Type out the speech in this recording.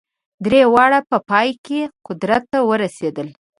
درې واړه په پای کې قدرت ته ورسېدل.